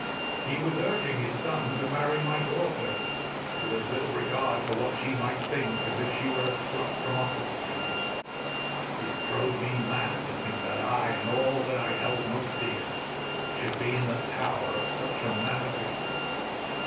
He was urging his son to marry my daughter with as little regard for what she might think as if she were a slut from off the streets. It drove me mad to think that I and all that I held most dear should be in the power of such a man as this.